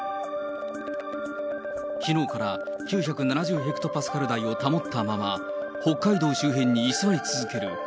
きのうから９７０ヘクトパスカル台を保ったまま、北海道周辺に居座り続ける